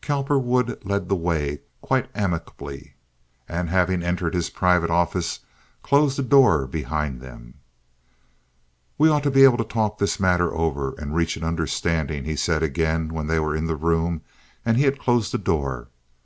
Cowperwood led the way quite amicably, and, having entered his private office, closed the door behind him. "We ought to be able to talk this matter over and reach an understanding," he said again, when they were in the room and he had closed the door.